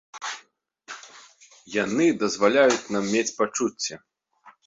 Яны дазваляюць нам мець пачуцці.